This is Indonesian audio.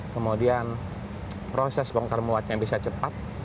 kemudian proses bongkar muatnya bisa cepat